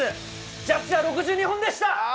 ジャッジは６２本でした。